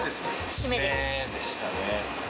締めでしたね。